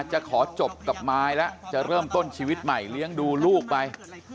จะขอจบกับมายแล้วจะเริ่มต้นชีวิตใหม่เลี้ยงดูลูกไป